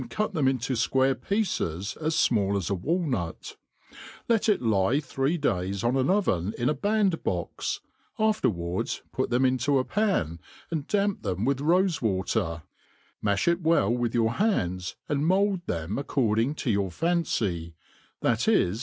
u| them into fquarc pieces as fmall as a walnut ; let it lie three days on an oven in a band box, afterwards put fhem intd a pan» and damp them with rofe watcr, mafli it well with your hands, and mould them according to your fancy, viz.